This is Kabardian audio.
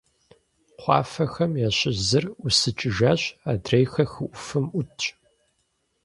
Кхъуафэхэм ящыщ зыр ӀусыкӀыжащ, адрейхэр хы Ӏуфэм Ӏутщ.